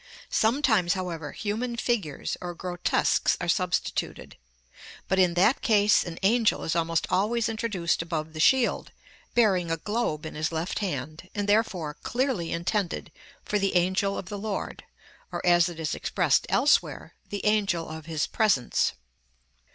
Sometimes, however, human figures, or grotesques, are substituted; but, in that case, an angel is almost always introduced above the shield, bearing a globe in his left hand, and therefore clearly intended for the 'Angel of the Lord,' or, as it is expressed elsewhere, the 'Angel of His Presence.'